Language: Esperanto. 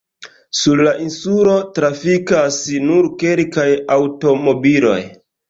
Sur la insulo trafikas nur kelkaj aŭtomobiloj.